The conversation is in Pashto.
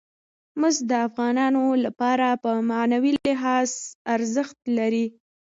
مس د افغانانو لپاره په معنوي لحاظ ارزښت لري.